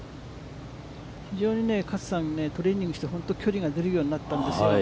非常に、勝さん、トレーニングして距離が出るようになったんですよ。